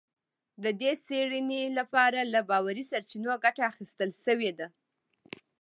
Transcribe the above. د دې څېړنې لپاره له باوري سرچینو ګټه اخیستل شوې ده